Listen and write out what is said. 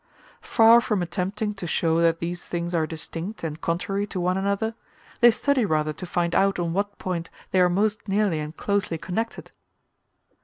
Far from attempting to show that these things are distinct and contrary to one another, they study rather to find out on what point they are most nearly and closely connected.